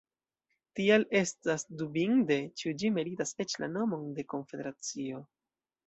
Tial estas dubinde, ĉu ĝi meritas eĉ la nomon de konfederacio.